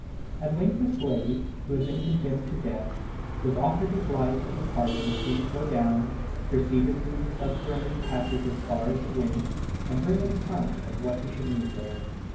At length a slave, who had been condemned to death, was offered his life and a pardon if he would go down, proceed through the subterranean passage as far as it went, and bring an account of what he should meet there.